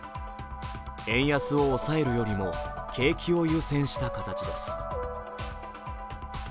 円安を抑えるよりも景気を優先した形です。